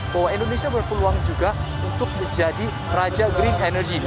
bahwa indonesia berpeluang juga untuk menjadi raja green energy